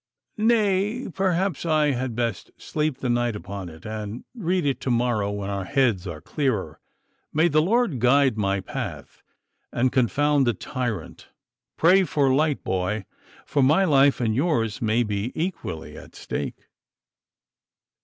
Nay, perhaps I had best sleep the night upon it, and read it to morrow when our heads are clearer. May the Lord guide my path, and confound the tyrant! Pray for light, boy, for my life and yours may be equally at stake.